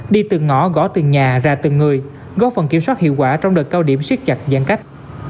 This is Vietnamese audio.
đi từ ngõ gõ từ nhà ra từ người góp phần kiểm soát hiệu quả trong đợt cao điểm siết chặt giãn cách